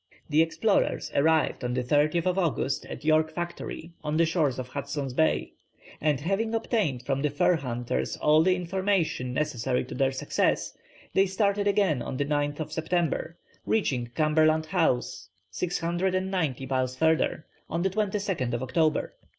The explorers arrived on the 30th August at York Factory on the shores of Hudson's Bay, and having obtained from the fur hunters all the information necessary to their success, they started again on the 9th September, reaching Cumberland House, 690 miles further, on the 22nd October.